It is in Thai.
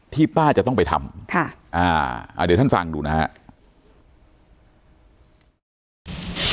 ที่ป้าจะต้องไปทำค่ะอ่าเดี๋ยวท่านฟังดูนะฮะ